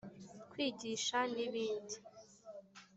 kwigisha , n’ibindi